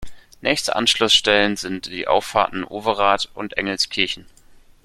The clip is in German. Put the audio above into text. Nächste Anschlussstellen sind die Auffahrten Overath und Engelskirchen.